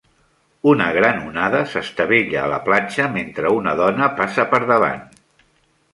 Una gran onada s'estavella a la platja mentre una dona passa per davant.